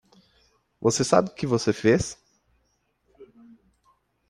Você sabe que você fez.